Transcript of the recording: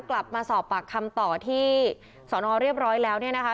กลับมาสอบปากคำต่อที่สอนอเรียบร้อยแล้วเนี่ยนะคะ